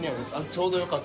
ちょうどよかった。